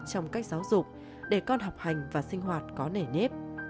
trong cách giáo dục để con học hành và sinh hoạt có nề nếp